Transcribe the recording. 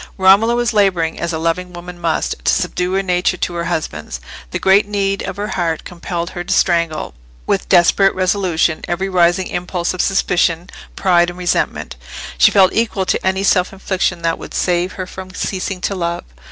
Romola was labouring, as a loving woman must, to subdue her nature to her husband's. The great need of her heart compelled her to strangle, with desperate resolution, every rising impulse of suspicion, pride, and resentment; she felt equal to any self infliction that would save her from ceasing to love.